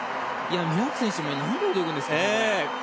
ミラーク選手何秒で泳ぐんですかね。